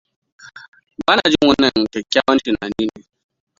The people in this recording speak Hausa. Bana jin wannan kyakkywan tunani ne.